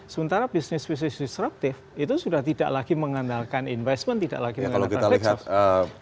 sementara business which is disruptive itu sudah tidak lagi mengandalkan investment tidak lagi mengandalkan tax off